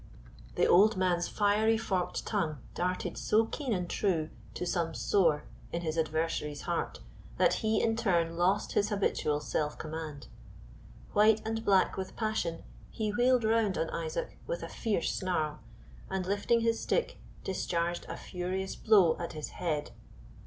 The old man's fiery forked tongue darted so keen and true to some sore in his adversary's heart that he in turn lost his habitual self command. White and black with passion he wheeled round on Isaac with a fierce snarl, and lifting his stick discharged a furious blow at his head.